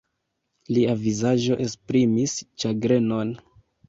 Lia vizaĝo esprimis ĉagrenon.